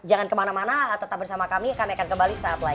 jangan kemana mana tetap bersama kami kami akan kembali saat lain